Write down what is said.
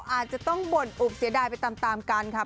อาจจะต้องบ่นอกเสียดายไปตามกันค่ะ